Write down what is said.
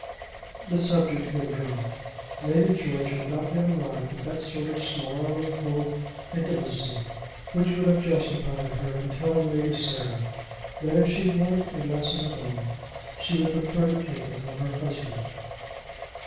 The subject then dropped. Lady George had not yet arrived at that sort of snarling home intimacy, which would have justified her in telling Lady Sarah that if she wanted a lesson at all, she would prefer to take it from her husband.